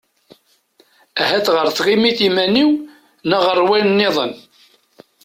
Ahat ɣer tɣimit iman-iw neɣ ɣer wayen-nniḍen.